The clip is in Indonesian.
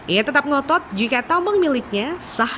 ia tetap ngotot jika tambang miliknya sah